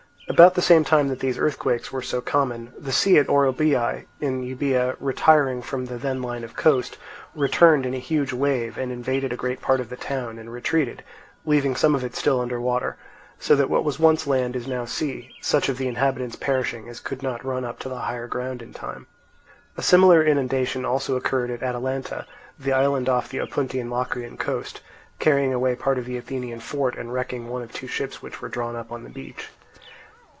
About the same time that these earthquakes were so common, the sea at Orobiae, in Euboea, retiring from the then line of coast, returned in a huge wave and invaded a great part of the town, and retreated leaving some of it still under water; so that what was once land is now sea; such of the inhabitants perishing as could not run up to the higher ground in time. A similar inundation also occurred at Atalanta, the island off the Opuntian Locrian coast, carrying away part of the Athenian fort and wrecking one of two ships which were drawn up on the beach.